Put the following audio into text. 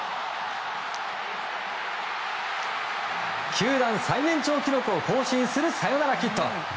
球団最年長記録を更新するサヨナラヒット。